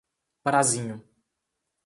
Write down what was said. Parazinho